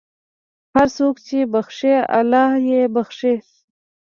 هر څوک چې بښي، الله یې بښي.